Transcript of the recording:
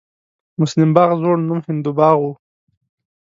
مسلم باغ زوړ نوم هندو باغ و